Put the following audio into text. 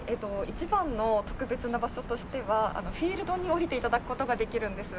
一番の特別な場所としてはフィールドに下りて頂く事ができるんです。